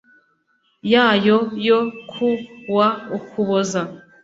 Yayo yo ku wa ukuboza